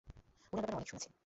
উনার ব্যাপারে অনেক শুনেছি।